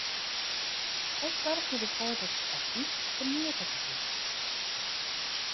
Wy soargje derfoar dat it argyf ferneatige wurdt.